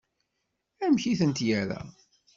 Amek i tent-yerra?